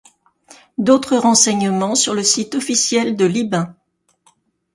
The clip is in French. D'autres renseignements sur le site officiel de Libin.